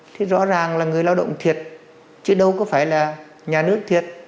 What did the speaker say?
thì rõ ràng là người lao động thiệt chứ đâu có phải là nhà nước thiệt